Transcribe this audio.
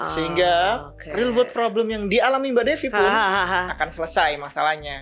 sehingga real food problem yang dialami mbak devi pun akan selesai masalahnya